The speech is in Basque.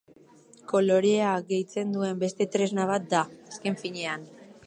Kolorea gehitzen duen beste tresna bat da, azken finean.